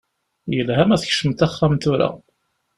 Yelha ma tkecmeḍ axxam tura.